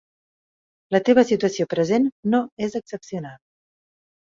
La teva situació present no és excepcional.